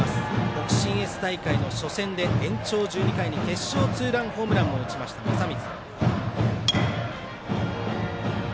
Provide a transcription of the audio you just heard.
北信越大会の初戦で決勝ツーランホームランも打ちました、正水。